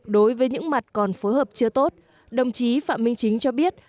đối với những mặt còn phối hợp chưa tốt đồng chí phạm minh chính cho biết